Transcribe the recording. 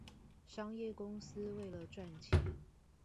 商業公司為了賺錢